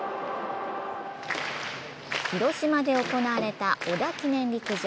広島で行われた織田記念陸上。